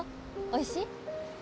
おいしい？